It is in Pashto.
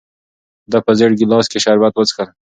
ده په زېړ ګیلاس کې شربت وڅښل.